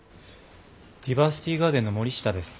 ディバーシティガーデンの森下です。